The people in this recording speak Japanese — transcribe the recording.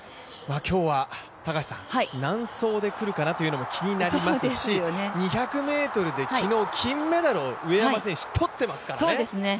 今日は何走で来るかなというのも気になりますし２００ｍで昨日、金メダルを上山選手、とってますからね。